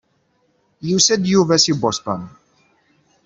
Yusa-d Yuba si Boston.